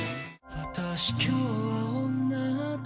「私今日は女だから」